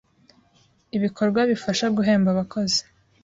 ibikorwa bibasha guhemba abakozi